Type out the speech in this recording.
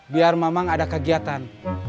biar mamang ada kegiatan